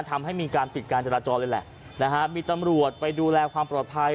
ทำให้มีการปิดการจราจรเลยแหละนะฮะมีตำรวจไปดูแลความปลอดภัย